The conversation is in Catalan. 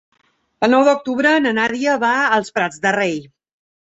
El nou d'octubre na Nàdia va als Prats de Rei.